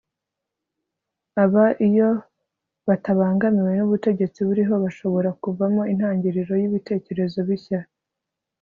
aba, iyo batabangamiwe n'ubutegetsi buriho bashobora kuvamo intangiriro y'ibitekerezo bishya